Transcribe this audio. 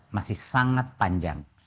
masih sangat panjang